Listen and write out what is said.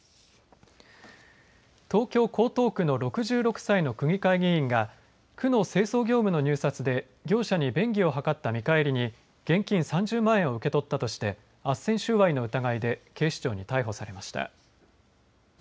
東京・江東区の６６歳の区議会議員が区の清掃業務の入札で業者に便宜を図った見返りに現金３０万円を受け取ったとしてあっせん収賄の疑いで警視庁に逮捕されました。